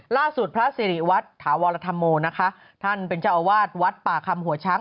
พระสิริวัตรถาวรธรรมโมนะคะท่านเป็นเจ้าอาวาสวัดป่าคำหัวช้าง